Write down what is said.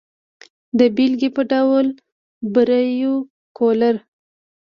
د بېلګې په ډول وبریو کولرا.